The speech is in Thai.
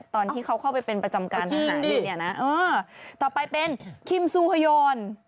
ตอนที่เขาเข้าไปเป็นประจำการขนาดนี้เนี่ยนะเออต่อไปเป็นคิมซูฮยอน